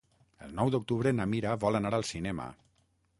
El nou d'octubre na Mira vol anar al cinema.